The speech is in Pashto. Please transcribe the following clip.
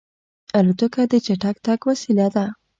الوتکه د چټک تګ وسیله ده.